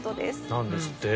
なんですって。